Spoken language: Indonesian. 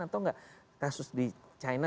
atau nggak kasus di china